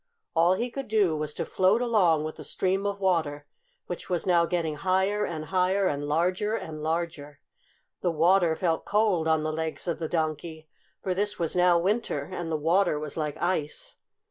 All he could do was to float along with the stream of water, which was now getting higher and higher and larger and larger. The water felt cold on the legs of the Donkey, for this was now winter, and the water was like ice.